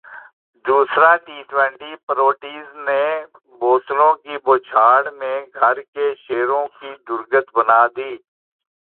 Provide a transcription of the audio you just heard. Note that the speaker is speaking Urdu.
دوسرا ٹی ٹوئنٹی پروٹیز نے بوتلوں کی بوچھاڑمیں گھر کے شیروں کی درگت بنادی